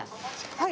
はい。